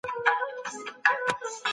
ځینې خلک کورني تدابیر تجربه کوي.